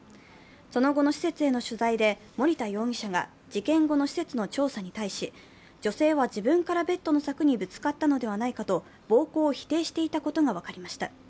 その後の施設への取材で森田容疑者が事件後の施設の調査に対し、女性は自分からベッドの柵にぶつかったのではないかと暴行を否定していたことが分かりました。